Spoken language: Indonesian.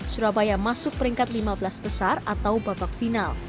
surabaya masuk peringkat lima belas besar atau babak final